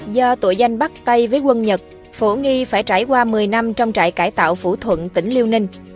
do tội danh bắt tay với quân nhật phổ nghi phải trải qua một mươi năm trong trại cải tạo phủ thuận tỉnh liêu ninh